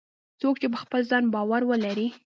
څوک چې په خپل ځان باور ولري